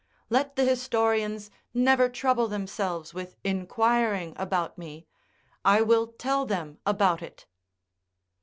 Let the historians never trouble themselves with inquiring about me: I will tell them about it."